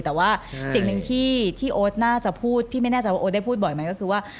แต่ว่าสิ่งหนึ่งที่โอ๊ตน่าจะพูดพี่ไม่แน่ใจว่าโอ๊ตได้พูดบ่อยไหมก็คือว่า